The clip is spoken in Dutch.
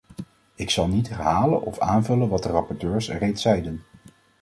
Ik zal niet herhalen of aanvullen wat de rapporteurs reeds zeiden.